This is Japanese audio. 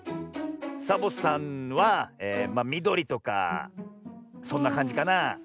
サボさんはみどりとかそんなかんじかなあ。